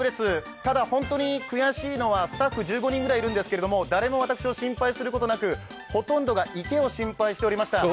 ただ本当に悔しいのはスタッフ１５人ぐらいいるんですけど誰も私を心配することなくほとんどが池を心配しておりました。